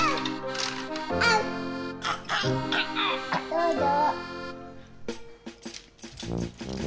どうぞ。